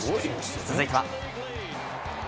続いては。